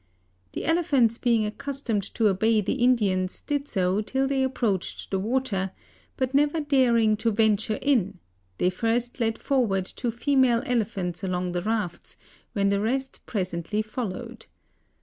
The elephants being accus tomed to obey the Indians did so till they approached the water, but never daring to venture in, they first led forward two female elephants along the rafts, when the rest pres ently followed.